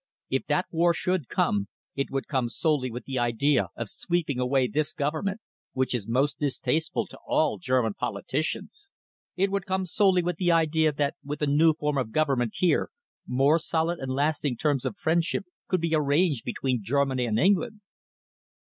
"If that war should come, it would come solely with the idea of sweeping away this Government, which is most distasteful to all German politicians. It would come solely with the idea that with a new form of government here, more solid and lasting terms of friendship could be arranged between Germany and England."